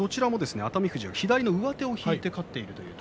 熱海富士、左上手を引いて勝っています。